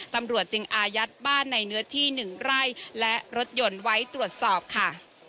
ตำรวจจึงอายัดบ้านในเนื้อที่๑ไร่และรถยนต์ไว้ตรวจสอบค่ะ